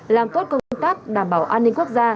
làm tốt công tác đảm bảo an ninh quốc gia